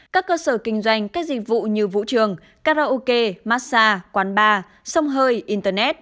các cơ sở kinh doanh các dịch vụ như vũ trường karaoke massage quán bar sông hơi internet